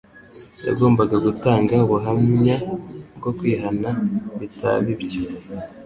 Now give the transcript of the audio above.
yagombaga gutanga ubuhamya bwo kwihana. Bitaba ibyo,